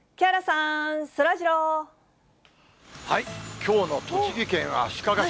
きょうの栃木県足利市。